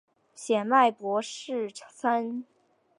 显脉柏氏参